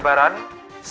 saya dari kantor polisi